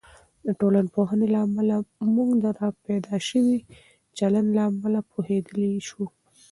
د ټولنپوهنې له امله، موږ د راپیدا شوي چلند له امله پوهیدلی شو.